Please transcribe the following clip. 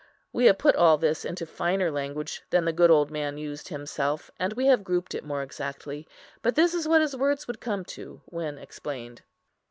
We have put all this into finer language than the good old man used himself, and we have grouped it more exactly, but this is what his words would come to, when explained.